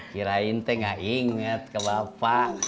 kirain teh gak inget ke bapak